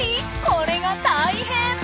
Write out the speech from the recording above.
これが大変！